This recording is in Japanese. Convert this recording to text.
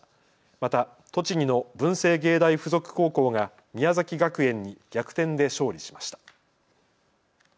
また栃木の文星芸大付属高校が宮崎学園に逆転で勝利しました。